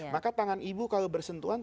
maka tangan ibu kalau bersentuhan